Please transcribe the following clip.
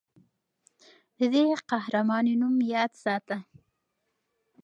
د دې قهرمانې نوم یاد ساته.